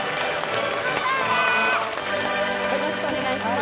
よろしくお願いします。